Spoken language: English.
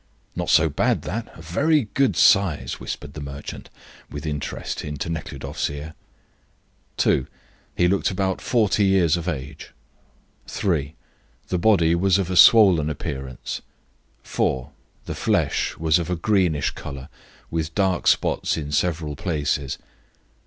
"Not so bad, that. A very good size," whispered the merchant, with interest, into Nekhludoff's ear. "2. He looked about 40 years of age. "3. The body was of a swollen appearance. "4. The flesh was of a greenish colour, with dark spots in several places.